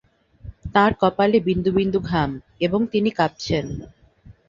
তাঁর কপালে বিন্দুবিন্দু ঘাম, এবং তিনি কাপছেন।